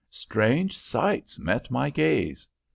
Strange sights met my gaze.